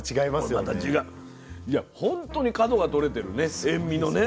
いや本当に角がとれてるね塩味のね。